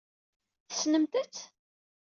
Tessnemt-tt?